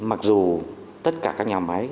mặc dù tất cả các nhà máy